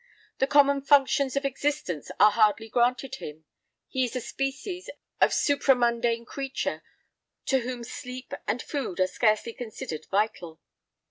The common functions of existence are hardly granted him; he is a species of supramundane creature to whom sleep and food are scarcely considered vital.